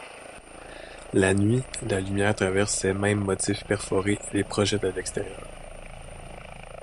La nuit, la lumière traverse ces mêmes motifs perforées et les projette à l'extérieur.